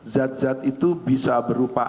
zat zat itu bisa berupa